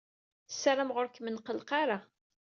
Ssarameɣ ur kem-nqelleq ara.